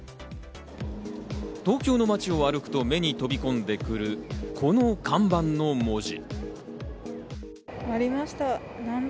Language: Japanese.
東京の街を歩くと目に飛び込んでくるこの看板の文字。